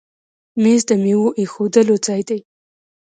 مېز د میوو ایښودلو ځای دی.